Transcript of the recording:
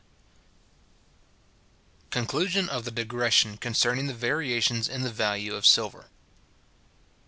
Conclusion of the Digression concerning the Variations in the Value of Silver.